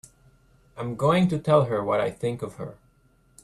I'm going to tell her what I think of her!